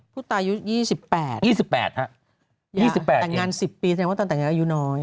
ผู้ตายยุค๒๘ฮะอย่างนั้น๑๐ปีแทนว่าตอนแต่งอายุน้อย